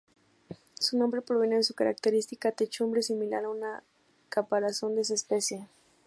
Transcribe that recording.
Su nombre proviene de su característica techumbre, similar a una caparazón de esa especie.